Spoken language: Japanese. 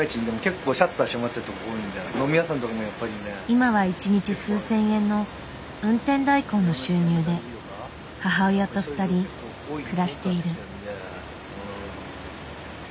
今は一日数千円の運転代行の収入で母親と２人暮らしている。